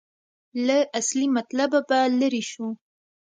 له اصلي مطلبه به لرې شو.